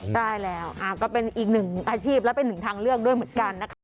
ใช่แล้วก็เป็นอีกหนึ่งอาชีพและเป็นหนึ่งทางเลือกด้วยเหมือนกันนะคะ